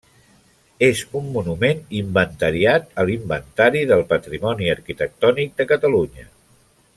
És un monument inventariat a l'Inventari del Patrimoni Arquitectònic de Catalunya.